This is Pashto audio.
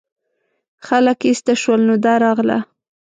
خلک ایسته شول نو دا راغله.